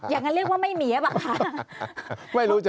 อย่างนั้นเรียกว่าไม่มีใช่ป่ะคะ